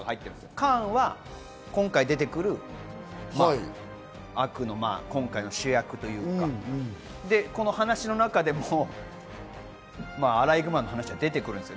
カーンは今回出てくる悪の、今回の主役というか、この話の中でもアライグマの話は出てくるんですよ。